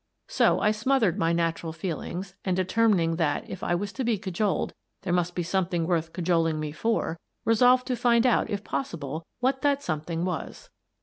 So I smothered my natural feelings and, determining that, if I was to be cajoled, there must be something worth cajoling me for, resolved to find out, if possible, what that something was.